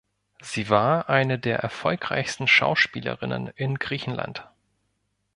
Sie war eine der erfolgreichsten Schauspielerinnen in Griechenland.